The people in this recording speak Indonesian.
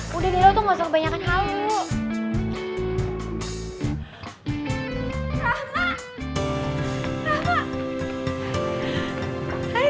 budi lo tuh masuk banyak kali